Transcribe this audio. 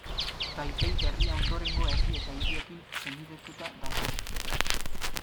Taipei Berria ondorengo herri eta hiriekin senidetuta dago.